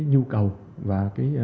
nhu cầu và